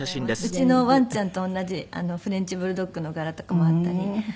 うちのワンちゃんと同じフレンチ・ブルドッグの柄とかもあったり。